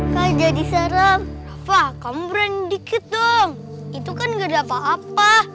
kak jadi serem rafa kamu berani dikit dong itu kan gak ada apa apa